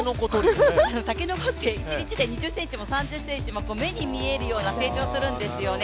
たけのこって、１日で２０ｃｍも３０ｃｍも目に見える成長をするんですよね。